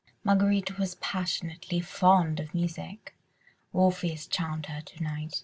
Marguerite was passionately fond of music. Orpheus charmed her to night.